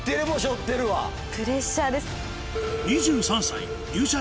プレッシャーです。